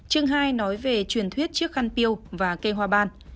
chương hai nói về truyền thuyết trước khăn piêu và cây hoa ban